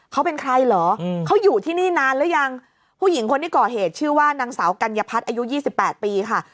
เขาเป็นใครเหรอเขาอยู่ที่นี่นานหรือยังผู้หญิงคนที่ก่อเหตุชื่อว่านางสาวกัญญพัฒน์อายุ๒๘ปีค่ะ